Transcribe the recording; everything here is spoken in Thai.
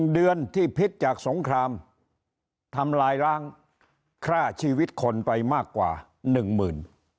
เดือนที่พิษจากสงครามทำลายร้างฆ่าชีวิตคนไปมากกว่า๑หมื่น